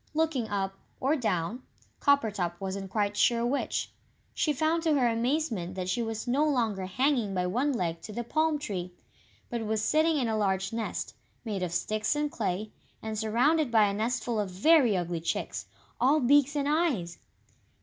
Looking up, or down Coppertop wasn't quite sure which she found to her amazement that she was no longer hanging by one leg to the palm tree, but was sitting in a large nest, made of sticks and clay, and surrounded by a nestful of very ugly chicks, all beaks and eyes!